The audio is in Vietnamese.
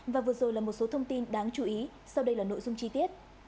và vừa rồi là một số thông tin đáng chú ý sau đây là nội dung chi tiết